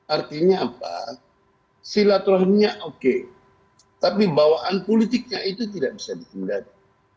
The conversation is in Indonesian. artinya apa silatul rahimnya oke tapi bawaan politiknya itu tidak bisa disindari